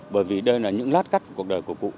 bởi vì đây là những lát cắt của cuộc đời của cụ